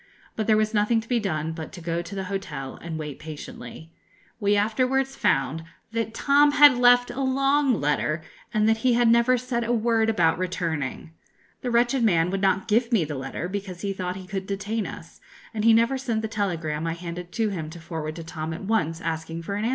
But there was nothing to be done but to go to the hotel and wait patiently. We afterwards found that Tom had left a long letter, and that he had never said a word about returning. The wretched man would not give me the letter, because he thought he could detain us, and he never sent the telegram I handed to him to forward to Tom at once, asking for an answer.